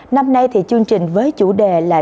năm nay chương trình với chủ đề là